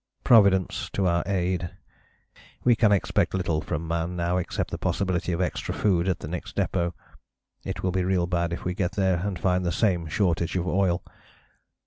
Providence to our aid! We can expect little from man now except the possibility of extra food at the next depôt. It will be real bad if we get there and find the same shortage of oil.